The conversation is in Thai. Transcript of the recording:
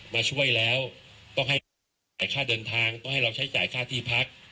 มาช่วยแล้วต้องให้ค่าเดินทางต้องให้เราใช้จ่ายค่าที่พัก